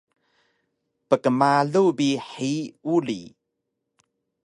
pkmalu bi hiyi uri